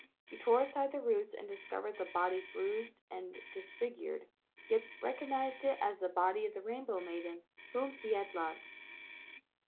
He tore aside the roots and discovered the body bruised and disfigured and yet recognized it as the body of the rainbow maiden whom he had loved.